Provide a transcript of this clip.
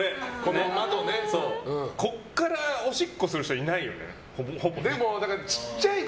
ここからおしっこする人いないよね、ほぼ。